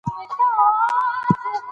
سبا مو تر نن